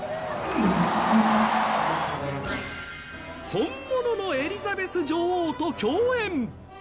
本物のエリザベス女王と共演。